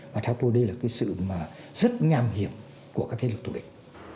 và theo tôi đây là cái sự rất nham hiểm của các thế lực thù địch